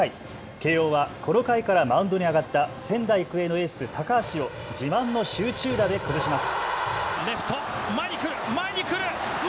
慶応はこの回からマウンドに上がった仙台育英のエース、高橋を自慢の集中打で崩します。